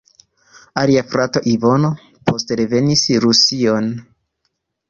Alia frato "Ivano" poste revenis Rusion.